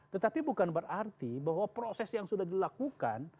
tetapi bukan berarti bahwa proses yang sudah dilakukan